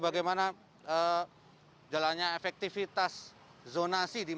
bagaimana jalannya efektivitas zonasi di malioboro